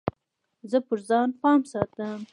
زه پر ځان پام ساتم.